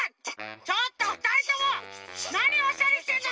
ちょっとふたりともなにおしゃれしてんの！